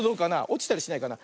おちたりしないかな。